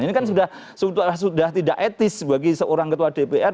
ini kan sudah tidak etis bagi seorang ketua dpr